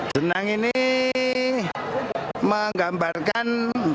jenang ini menggambarkan